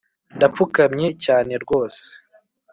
ndapfukamye cyane rwose